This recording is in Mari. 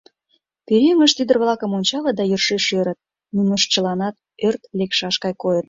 Пӧръеҥышт ӱдыр-влакым ончалыт да йӧршеш ӧрыт: нунышт чыланат ӧрт лекшаш гай койыт...